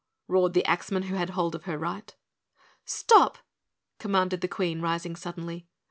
roared the axman who had hold of her right. "Stop!" commanded the Queen, rising suddenly.